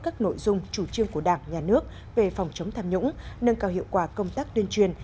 các nội dung chủ trương của đảng nhà nước về phòng chống tham nhũng nâng cao hiệu quả công tác tuyên truyền